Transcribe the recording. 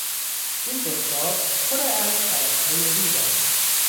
این بشقاب پر از ترکهای ریز است.